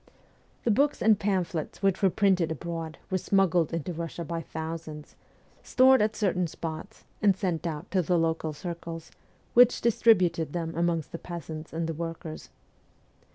The books and pamphlets which were printed abroad were smuggled into Russia by thousands, stored at certain spots, and sent out to the local circles, which distributed them amongst the peasants and the workers.